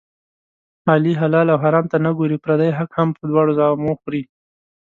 علي حلال او حرام ته نه ګوري، پردی حق هم په دواړو زامو خوري.